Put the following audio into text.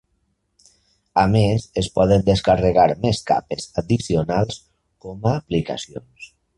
A més es poden descarregar més capes addicionals com a aplicacions.